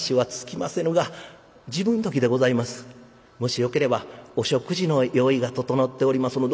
もしよければお食事の用意が整っておりますので」。